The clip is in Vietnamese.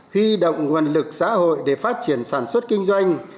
huy động nguồn lực xã hội để phát triển sản xuất kinh doanh